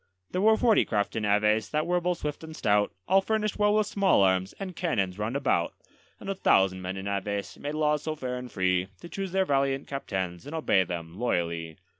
There were forty craft in Aves that were both swift and stout, All furnished well with small arms and cannons round about; And a thousand men in Aves made laws so fair and free To choose their valiant captains and obey them loyally.